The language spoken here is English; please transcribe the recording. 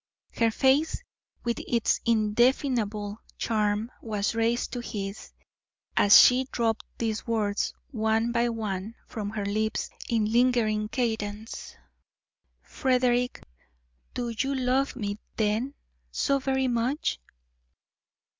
Her face, with its indefinable charm, was raised to his, as she dropped these words one by one from her lips in lingering cadence: "Frederick do you love me, then, so very much?"